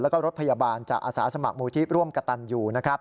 แล้วก็รถพยาบาลจากอาสาสมัครมูลที่ร่วมกระตันอยู่